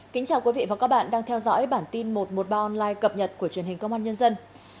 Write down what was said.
kính chào quý vị và các bạn đang theo dõi bản tin một trăm một mươi ba online cập nhật của truyền hình công an nhân dân